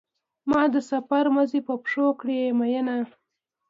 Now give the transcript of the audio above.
ما د سفر موزې په پښو کړې مینه.